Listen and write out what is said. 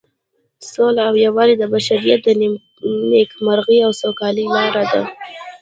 سوله او یووالی د بشریت د نیکمرغۍ او سوکالۍ لاره ده.